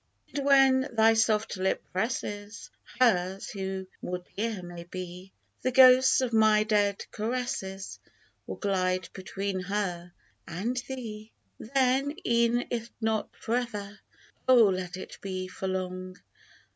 And when thy soft lip presses Hers, who more dear may be, The ghosts of my dead caresses Will glide between her and thee !" Oh ! let it be for long !" 69 Then e'en if not for ever, Oh, let it be for long